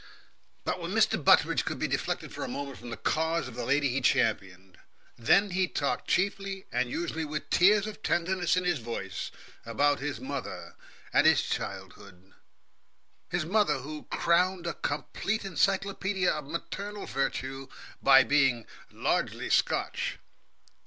But when Mr. Butteridge could be deflected for a moment from the cause of the lady he championed, then he talked chiefly, and usually with tears of tenderness in his voice, about his mother and his childhood his mother who crowned a complete encyclopedia of maternal virtue by being "largely Scotch."